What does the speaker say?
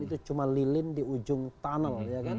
itu cuma lilin di ujung tunnel